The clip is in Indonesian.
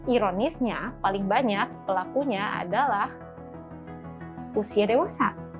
ironisnya paling banyak pelakunya adalah usia dewasa